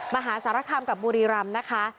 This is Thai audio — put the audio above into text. มหาสารคามกับบุรีรำนะคะ